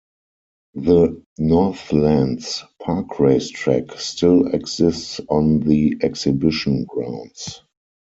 The Northlands Park race track still exists on the exhibition grounds.